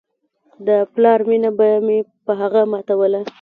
د پلار مينه به مې په هغه ماتوله.